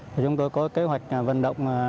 chúng tôi có kế hoạch vận động